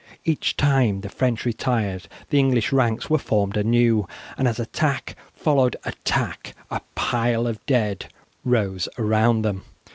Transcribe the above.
Each time the French retired the English ranks were formed anew, and as attack followed attack a pile of dead rose around them.